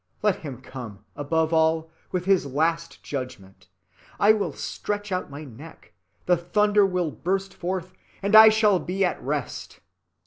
Let him come, above all, with his last Judgment: I will stretch out my neck, the thunder will burst forth, and I shall be at rest."